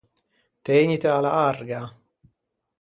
Tëgnite a-a larga!